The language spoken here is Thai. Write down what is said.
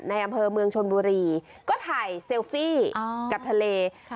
อำเภอเมืองชนบุรีก็ถ่ายเซลฟี่กับทะเล